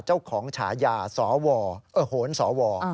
เจ้าของฉายาสวเอ่อโหนสว